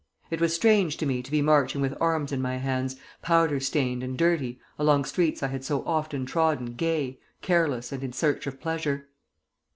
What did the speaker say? It was strange to me to be marching with arms in my hands, powder stained and dirty, along streets I had so often trodden gay, careless, and in search of pleasure.